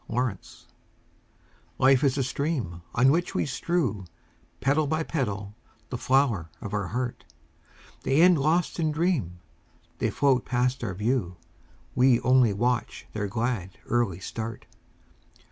Petals Life is a stream On which we strew Petal by petal the flower of our heart; The end lost in dream, They float past our view, We only watch their glad, early start.